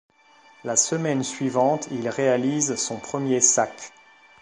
La semaine suivante, il réalise son premier sack.